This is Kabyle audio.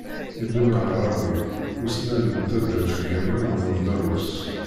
Ibn Ɛarabi; ussnan n taderfgama n wandalus.